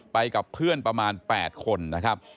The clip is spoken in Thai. ไปกับเพื่อนประมาณ๘คนนะครับ